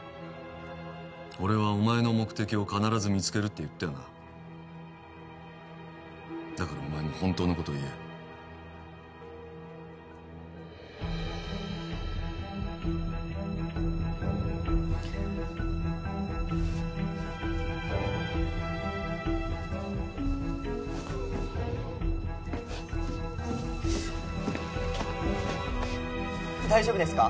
俺はお前の目的を必ず見つけるって言ったよなだからお前も本当のことを言え大丈夫ですか？